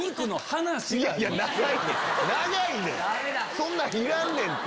そんなんいらんねんて！